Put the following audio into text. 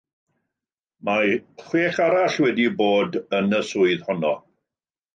Mae chwech arall wedi bod yn y swydd honno.